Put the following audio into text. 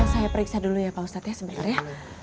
saya periksa dulu ya pak ustadz ya sebenarnya